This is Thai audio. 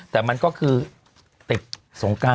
แต่มันก็คือติดสงการ